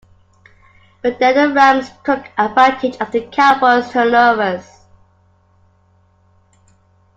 But then the Rams took advantage of the Cowboys' turnovers.